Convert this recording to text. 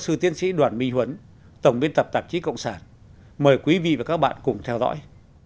phó giáo sư tiến sĩ đoàn my huấn tổng viên tập tạp chí cộng sản mời quý vị và các bạn cùng theo dõi